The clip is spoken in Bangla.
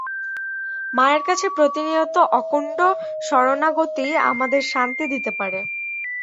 মায়ের কাছে প্রতিনিয়ত অকুণ্ঠ শরণাগতিই আমাদের শান্তি দিতে পারে।